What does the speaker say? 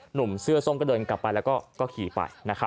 หนุ่มเสื้อส้มก็เดินกลับไปแล้วก็ขี่ไป